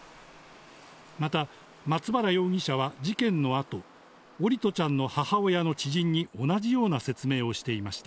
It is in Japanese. また松原容疑者は事件のあと、桜利斗ちゃんの母親の知人に同じような説明をしていました。